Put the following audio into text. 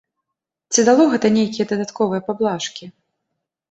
Ці дало гэта нейкія дадатковыя паблажкі?